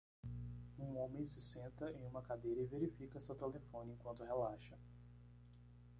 Um homem se senta em uma cadeira e verifica seu telefone enquanto relaxa.